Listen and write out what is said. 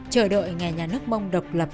chờ đợi nhà nước mông độc lập